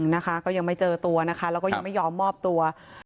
นะคะก็ยังไม่เจอตัวนะคะแล้วก็ยังไม่ยอมมอบตัว